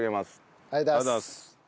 ありがとうございます。